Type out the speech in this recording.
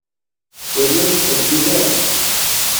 Ur la nettqeggil ara.